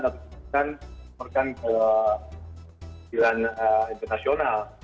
kita harus menekankan kejadian internasional